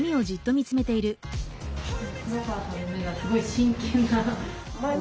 黒川さんの目がすごい真剣な。